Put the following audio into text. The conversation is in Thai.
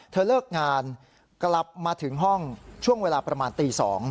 เธอเลิกงานกลับมาถึงห้องช่วงเวลาประมาณตี๒